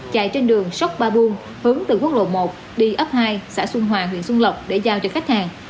chạy trên đường sốc ba buôn hướng từ quốc lộ một đi ấp hai xã xuân hòa huyện xuân lộc để giao cho khách hàng